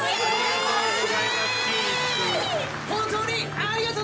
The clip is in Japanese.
ありがとう！